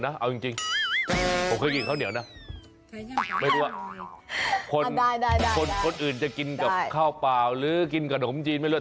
แล้วคุณชนะอาจจะกินข้าวเหนียวกับไส้อั่วอยู่